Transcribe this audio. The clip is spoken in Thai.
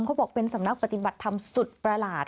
เขาบอกเป็นสำนักปฏิบัติธรรมสุดประหลาด